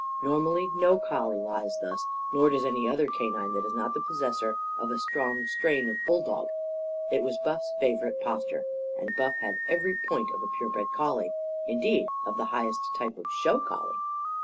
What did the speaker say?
Normally no collie lies thus, nor does any other canine that is not the possessor of a strong strain of bulldog. It was Buff's favourite posture. And Buff had every point of a pure bred collie indeed, of the highest type of "show collie."